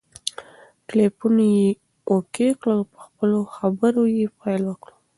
ټلیفون یې اوکې کړ او په خبرو یې پیل وکړ.